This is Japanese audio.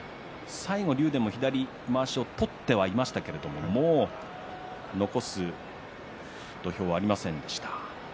最後、竜電も左のまわしを取っていましたけれどももう残す土俵はありませんでした。